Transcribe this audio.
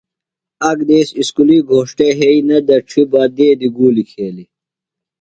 آک دیس اُسکُلی گھوݜٹہ یھئی نہ دڇھیۡ بہ دیدیۡ گُولیۡ کھییلیۡ۔